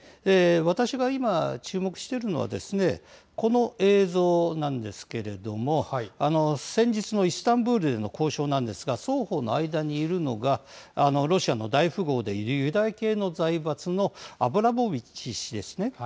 私が今、注目しているのは、この映像なんですけれども、先日のイスタンブールでの交渉なんですが、双方の間にいるのが、ロシアの大富豪でユダヤ系の財閥のアブラモビッチ氏ですね。